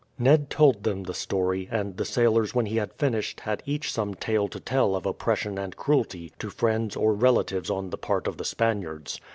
Ned told them the story, and the sailors when he had finished had each some tale to tell of oppression and cruelty to friends or relatives on the part of the Spaniards.